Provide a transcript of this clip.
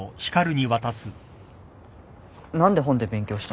何で本で勉強したの？